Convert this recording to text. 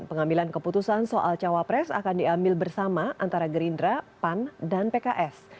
pengambilan keputusan soal cawapres akan diambil bersama antara gerindra pan dan pks